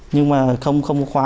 nhưng mà không có khóa